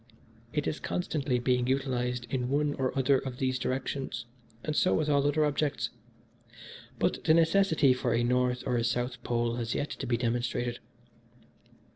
It is constantly being utilised in one or other of these directions; and so with all other objects. But the necessity for a North or a South Pole has yet to be demonstrated.